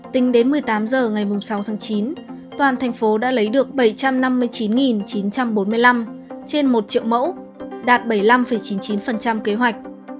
tính đến một mươi tám h ngày sáu tháng chín toàn thành phố đã lấy được bảy trăm năm mươi chín chín trăm bốn mươi năm trên một triệu mẫu đạt bảy mươi năm chín mươi chín kế hoạch